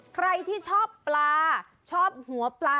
ใครที่ชอบปลาชอบหัวปลา